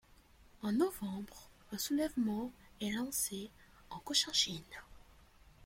En novembre, un soulèvement est lancé en Cochinchine.